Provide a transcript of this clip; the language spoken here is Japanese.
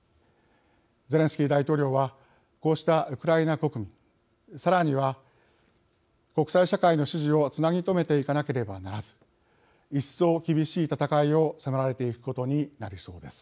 ゼレンスキー大統領はこうしたウクライナ国民さらには国際社会の支持をつなぎ止めていかなければならず一層厳しい戦いを迫られていくことになりそうです。